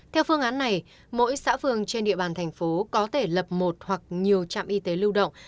theo phương án này mỗi xã phường trên địa bàn thành phố có thể lập một hoặc nhiều trạm y tế lưu động